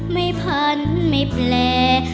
พันไม่แปล